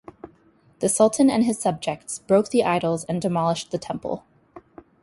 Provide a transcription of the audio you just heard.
The Sultan and his subjects broke the idols and demolished the temple.